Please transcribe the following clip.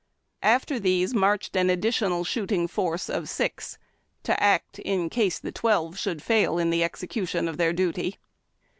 After these marched an addi tional shooting force of six, to act in case tlie twelve should fail in the execution of their duty.